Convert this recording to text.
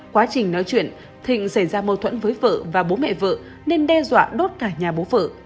quá trình nói chuyện thịnh xảy ra mâu thuẫn với vợ và bố mẹ vợ nên đe dọa đốt cả nhà bố vợ